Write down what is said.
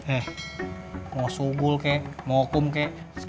eh mau sugul kayaknya mau kumusik